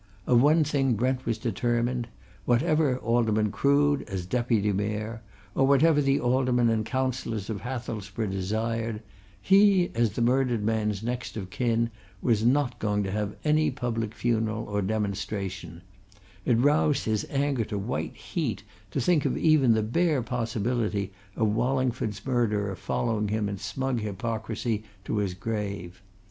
Of one thing Brent was determined whatever Alderman Crood, as Deputy Mayor, or whatever the Aldermen and Councillors of Hathelsborough desired, he, as the murdered man's next of kin, was not going to have any public funeral or demonstration; it roused his anger to white heat to think of even the bare possibility of Wallingford's murderer following him in smug hypocrisy to his grave.